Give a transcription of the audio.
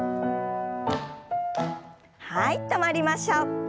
はい止まりましょう。